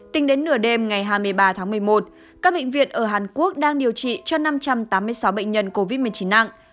tính đến nửa đêm ngày hai mươi ba tháng một mươi một các bệnh viện ở hàn quốc đang điều trị cho năm trăm tám mươi sáu bệnh nhân covid một mươi chín nặng